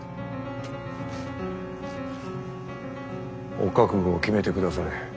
お覚悟を決めてくだされ。